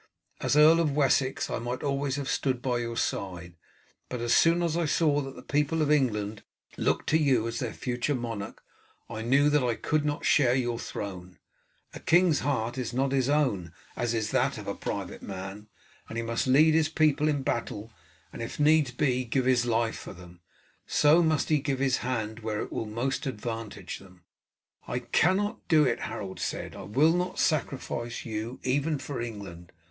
As Earl of Wessex I might always have stood by your side, but as soon as I saw that the people of England looked to you as their future monarch, I knew that I could not share your throne. A king's heart is not his own, as is that of a private man. As he must lead his people in battle, and if needs be give his life for them, so must he give his hand where it will most advantage them." "I cannot do it," Harold said. "I will not sacrifice you even for England.